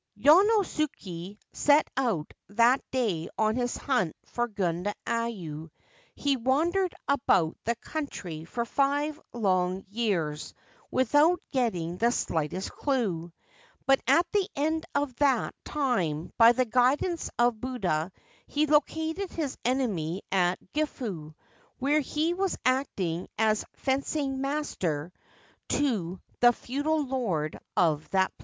Yonosuke set out that day on his hunt for Gundayu. He wandered about the country for five long years with out getting the slightest clue ; but at the end of that time, by the guidance of Buddha, he located his enemy at Gifu, where he was acting as fencing master to the feudal lord of that place.